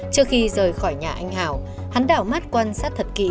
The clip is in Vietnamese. trước khi rời khỏi nhà anh hào hắn đảo mát quan sát thật kỹ